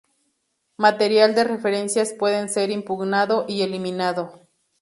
Material de referencias puede ser impugnado y eliminado.